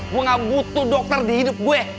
gue gak butuh dokter di hidup gue